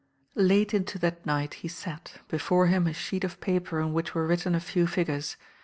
Late into that night he sat, before him a sheet of paper on which were written a few figures.